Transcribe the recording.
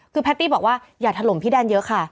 คือแพตตี้บอกว่าอย่าถล่มพี่แดนเยอะค่ะ